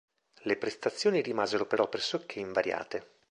Le prestazioni rimasero però pressoché invariate.